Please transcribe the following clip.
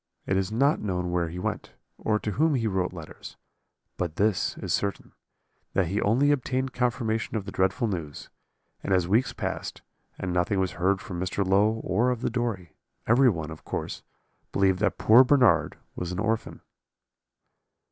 It is not known where he went, or to whom he wrote letters; but this is certain, that he only obtained confirmation of the dreadful news, and as weeks passed, and nothing was heard from Mr. Low or of the Dory, every one, of course, believed that poor Bernard was an orphan.